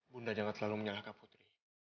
bunda jangan selalu menyalahkan putri